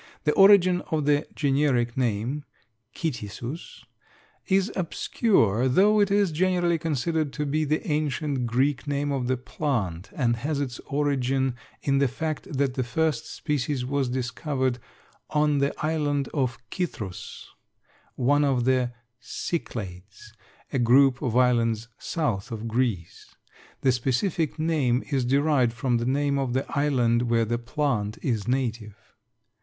The origin of the generic name, Cytisus, is obscure, though it is generally considered to be the ancient Greek name of the plant, and has its origin in the fact that the first species was discovered on the island of Cythrus, one of the Cyclades, a group of islands south of Greece. The specific name is derived from the name of the island where the plant is native.